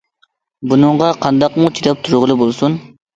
بۇنىڭغا قانداقمۇ چىداپ تۇرغىلى بولسۇن؟!